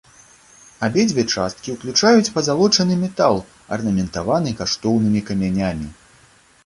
Абедзве часткі ўключаюць пазалочаны метал, арнаментаваны каштоўнымі камянямі.